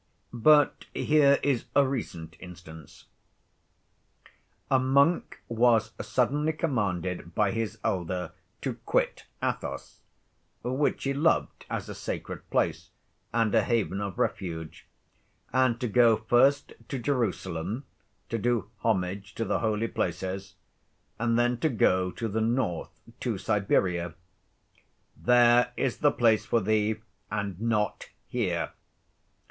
But here is a recent instance. A monk was suddenly commanded by his elder to quit Athos, which he loved as a sacred place and a haven of refuge, and to go first to Jerusalem to do homage to the Holy Places and then to go to the north to Siberia: "There is the place for thee and not here."